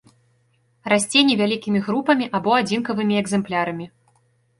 Расце невялікімі групамі або адзінкавымі экзэмплярамі.